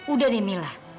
udah deh mila